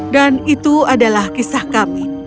dan itu adalah kisah kami